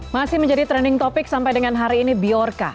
masih menjadi trending topic sampai dengan hari ini biorca